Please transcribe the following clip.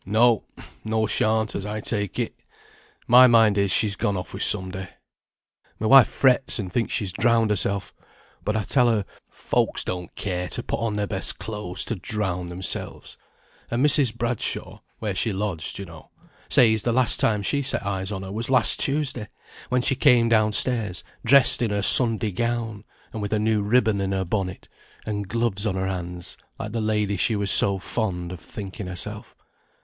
"No, nor shan't, as I take it. My mind is, she's gone off with somebody. My wife frets, and thinks she's drowned herself, but I tell her, folks don't care to put on their best clothes to drown themselves; and Mrs. Bradshaw (where she lodged, you know) says the last time she set eyes on her was last Tuesday, when she came down stairs, dressed in her Sunday gown, and with a new ribbon in her bonnet, and gloves on her hands, like the lady she was so fond of thinking herself."